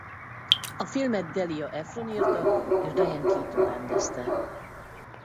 A filmet Delia Ephron írta és Diane Keaton rendezte.